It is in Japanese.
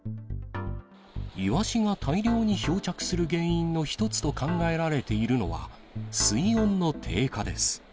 イワシが大量に漂着する原因の一つと考えられているのは、水温の低下です。